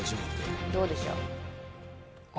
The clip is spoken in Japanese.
どうでしょう？